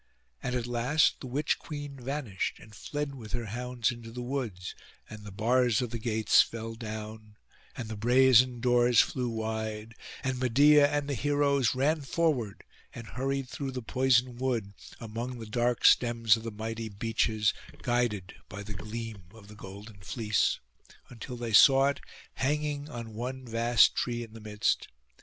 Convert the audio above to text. And at last the witch queen vanished, and fled with her hounds into the woods; and the bars of the gates fell down, and the brazen doors flew wide, and Medeia and the heroes ran forward and hurried through the poison wood, among the dark stems of the mighty beeches, guided by the gleam of the golden fleece, until they saw it hanging on one vast tree in the midst.